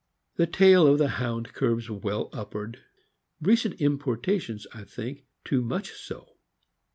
The tail of the Hound curves well upward; recent importations, I think, too much so.